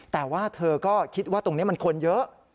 แต่ว่าเธอก็คิดว่าตรงนี้มันคนเยอะ